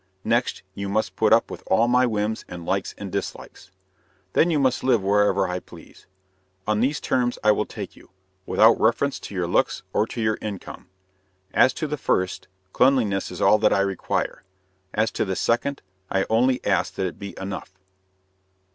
Next, you must put up with all my whims and likes and dislikes. Then you must live wherever I please. On these terms I will take you, without reference to your looks or to your income. As to the first, cleanliness is all that I require; as to the second, I only ask that it be enough."